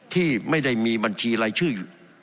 ที่ไม่ได้มีบัญชีรายชื่อ